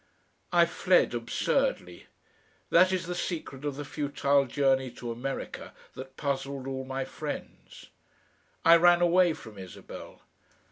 I fled absurdly. That is the secret of the futile journey to America that puzzled all my friends. I ran away from Isabel.